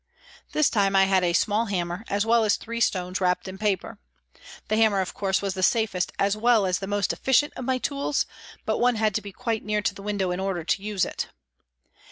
This time I had a small hammer as well as three stones wrapped in paper. The hammer, of course, was HOLLO WAY REVISITED 321 the safest as well as the most efficient of my tools, but one had to be quite near to the window in order to use it.